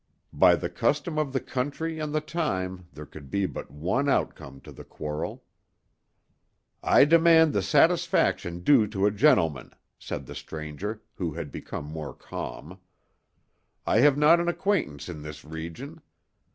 By the custom of the country and the time there could be but one outcome to the quarrel. "I demand the satisfaction due to a gentleman," said the stranger, who had become more calm. "I have not an acquaintance in this region.